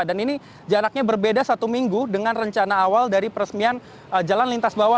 dan ini jaraknya berbeda satu minggu dengan rencana awal dari peresmian jalan lintas bawah